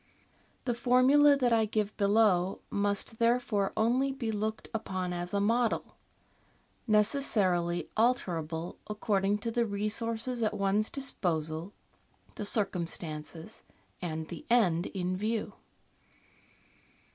The formula that I give below must therefore only be looked upon as a model, necessarily alterable according to the resources at one's disposal, the circumstances, and the end in view.